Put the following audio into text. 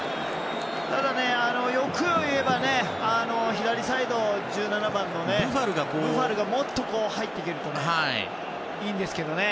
ただ、欲を言えば左サイド１７番のブファルがもっと入ってくるといいんですけどね。